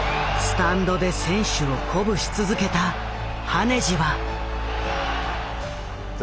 スタンドで選手を鼓舞し続けた羽地は。